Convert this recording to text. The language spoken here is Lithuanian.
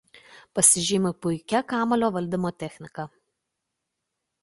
Pasižymi puikia kamuolio valdymo technika.